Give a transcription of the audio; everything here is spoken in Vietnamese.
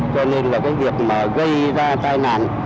cho nên là cái việc mà gây ra tai nạn